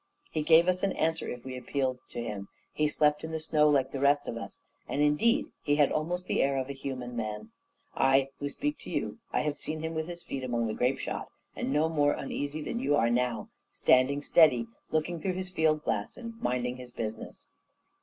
He gave us an answer if we appealed to him; he slept in the snow like the rest of us; and, indeed, he had almost the air of a human man. I who speak to you, I have seen him with his feet among the grape shot, and no more uneasy than you are now standing steady, looking through his field glass, and minding his business.